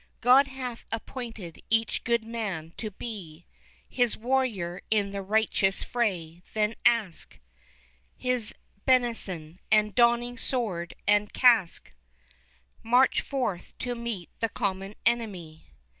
God hath appointed each good man to be His warrior in the righteous fray; then ask His benison, and, donning sword and casque, March forth to meet the common enemy.